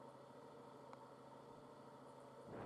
Fue erigido sobre una pequeña isla del río Indre.